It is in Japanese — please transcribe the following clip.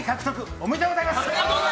ありがとうございます！